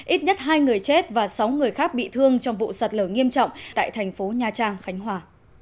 ít nhất hai người chết và sáu người khác bị thương trong vụ sạt lở nghiêm trọng tại thành phố nha trang khánh hòa